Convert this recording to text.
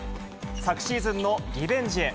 昨シーズンのリベンジへ。